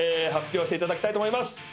発表していただきたいと思います。